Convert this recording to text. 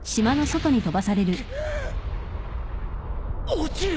落ちる！